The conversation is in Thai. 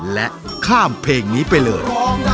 และข้ามเพลงนี้ไปเลย